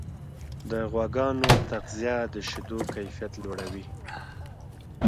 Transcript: د غواګانو تغذیه د شیدو کیفیت لوړوي.